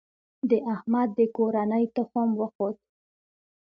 د احمد د کورنۍ تخم وخوت.